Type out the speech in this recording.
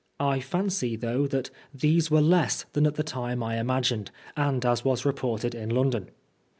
J fancy, though, that these were less than at the time I imagined, and as was reported in London.